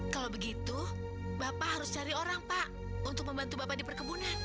kalau begitu bapak harus cari orang pak untuk membantu bapak di perkebunan